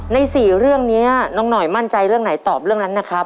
ใน๔เรื่องนี้น้องหน่อยมั่นใจเรื่องไหนตอบเรื่องนั้นนะครับ